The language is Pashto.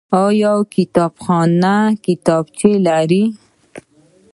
آیا کتابخانې کتابونه لري؟